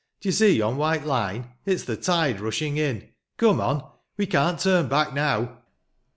D'ye see yon white line? It's the tide rushing in? Come on ! We can't turn back now!"